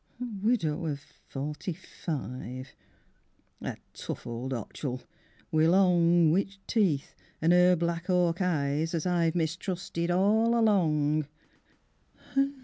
A widow of forty five. A tough old otchel wi' long Witch teeth, an' 'er black hawk eyes as I've Mistrusted all along!